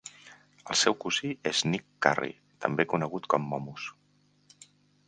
El seu cosí és Nick Currie, també conegut com "Momus".